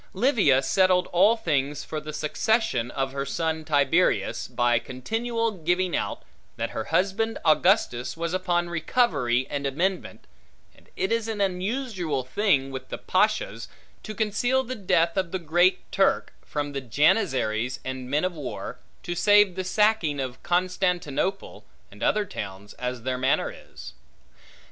Livia settled all things for the succession of her son Tiberius, by continual giving out, that her husband Augustus was upon recovery and amendment, and it is an usual thing with the pashas, to conceal the death of the Great Turk from the janizaries and men of war, to save the sacking of Constantinople and other towns, as their manner is.